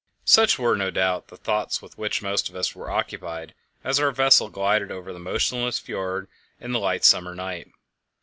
Such were, no doubt, the thoughts with which most of us were occupied as our vessel glided over the motionless fjord in the light summer night.